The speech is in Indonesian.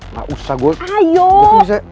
gak usah gue